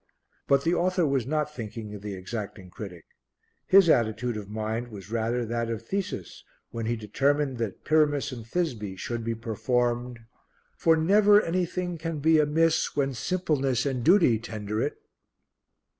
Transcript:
But the author was not thinking of the exacting critic, his attitude of mind was rather that of Theseus when he determined that Pyramus and Thisbe should be performed For never anything can be amiss When simpleness and duty tender it.